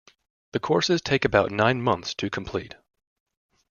The courses take about nine months to complete.